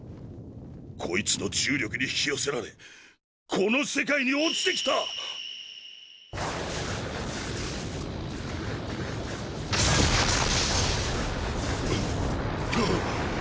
こいつの重力に引き寄せられこの世界に落ちてきた⁉あぁ。